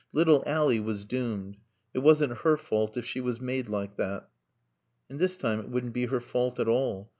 Little Ally was doomed. It wasn't her fault if she was made like that. And this time it wouldn't be her fault at all.